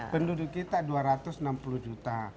penduduk kita dua ratus enam puluh juta